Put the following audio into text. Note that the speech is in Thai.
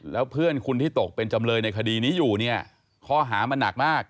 แล้วเพื่อนคุณที่ตกเป็นจำเลยในคดีนี้อยู่เนี่ยข้อหามันหนักมาก